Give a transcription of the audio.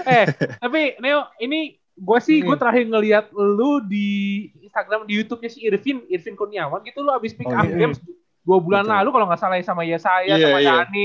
eh tapi neo ini gue sih gue terakhir ngeliat lo di instagram di youtube nya si irvin kuniawan gitu lo abis pick up game dua bulan lalu kalo gak salah ya sama yesaya sama janil ya